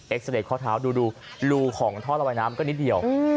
เสด็จข้อเท้าดูรูของท่อระบายน้ำก็นิดเดียว